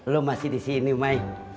lu masih di sini mai